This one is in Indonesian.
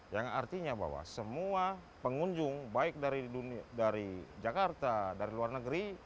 yang artinya bahwa semua pengunjung baik dari jakarta dari luar negeri